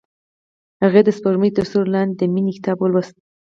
هغې د سپوږمۍ تر سیوري لاندې د مینې کتاب ولوست.